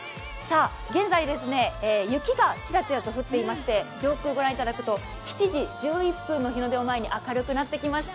現在雪がちらちらと降っていまして上空ご覧いただくと７時１１分の日の出を前に明るくなってきました。